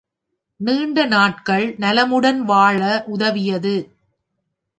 நீண்ட நாட்கள் நலமுடன் வாழ உதவியது.